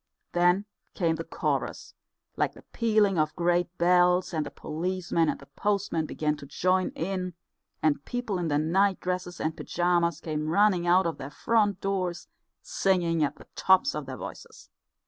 Then came the chorus, like the pealing of great bells, and the policeman and the postmen began to join in, and people in their nightdresses and pyjamas came running out of their front doors, singing at the tops of their voices.